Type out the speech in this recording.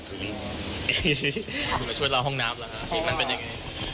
คุณมาช่วยเราห้องน้ำล่ะคะเห็นมันเป็นยังไง